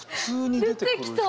出てきた！